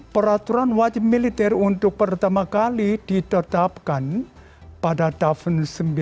peraturan wajib militer untuk pertama kali ditetapkan pada tahun seribu sembilan ratus sembilan puluh